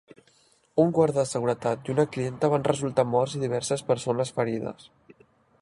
Un guarda de seguretat i una clienta van resultar morts i diverses persones ferides.